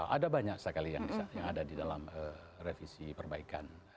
ada banyak sekali yang ada di dalam revisi perbaikan